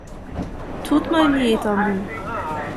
Toute ma vie est en vous.